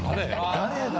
・・誰だ？